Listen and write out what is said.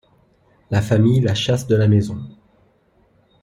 La famille la chasse de la maison.